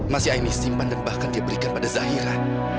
masih aini simpan dan bahkan dia berikan pada zahira